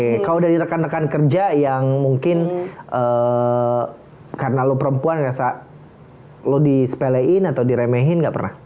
oke kalau dari rekan rekan kerja yang mungkin karena lo perempuan rasa lo disepelein atau diremehin nggak pernah